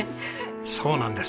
そうなんです。